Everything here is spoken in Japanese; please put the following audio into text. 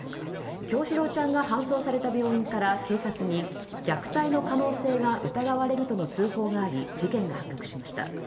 叶志郎ちゃんが搬送された病院から警察に虐待の可能性が疑われるとの通報があり事件が発覚しました。